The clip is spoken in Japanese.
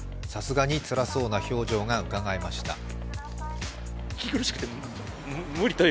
さすがにつらそうな表情がうかがえました。